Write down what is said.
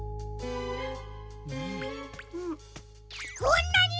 んこんなに！？